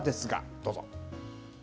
どうぞ。